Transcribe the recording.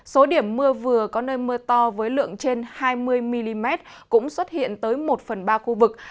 số điểm mưa vừa có nơi mưa to với lượng trên hai mươi mm cũng xuất hiện tới một phần ba khu vực